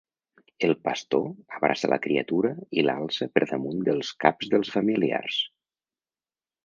El pastor abraça la criatura i l'alça per damunt dels caps dels familiars.